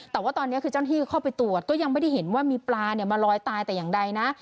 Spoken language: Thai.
แต่ว่าตอนนี้คือเจ้าหน้าที่เข้าไปตรวจก็ยังไม่ได้เห็นว่ามีปลามาลอยตายแต่อย่างใดนะ